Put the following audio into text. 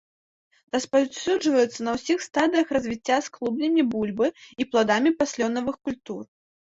Распаўсюджваецца на ўсіх стадыях развіцця з клубнямі бульбы і пладамі паслёнавых культур.